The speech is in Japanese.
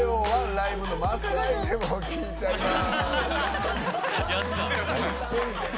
ライブのマストアイテムを聞いちゃいます。